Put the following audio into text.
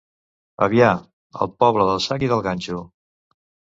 Avià, el poble del sac i del ganxo.